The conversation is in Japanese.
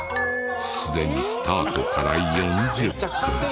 すでにスタートから４０分。